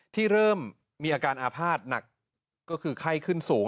ที่เริ่มมีอาการอาภาษณ์หนักก็คือไข้ขึ้นสูง